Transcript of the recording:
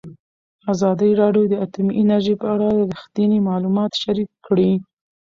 ازادي راډیو د اټومي انرژي په اړه رښتیني معلومات شریک کړي.